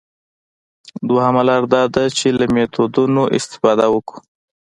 دویمه لاره دا ده چې له میتودونو استفاده وکړو.